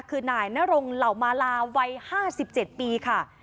คือนายนรงเหล่ามาลาวัย๕๗ปีค่ะ